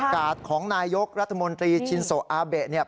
กาดของนายกรัฐมนตรีชินโซอาเบะเนี่ย